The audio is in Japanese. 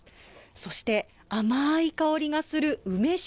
そして、甘い香りがする梅酒。